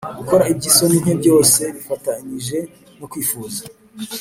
gukora iby isoni nke byose bifatanije no kwifuza